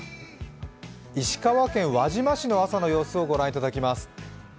石川県輪島市の朝の様子を御覧いただきます。